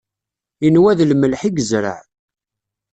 Inwa d lemleḥ i yezreɛ.